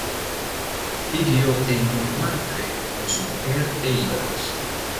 Vivió en Montmartre con su mujer e hijos.